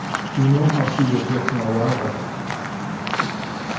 You know how she will brook no rival."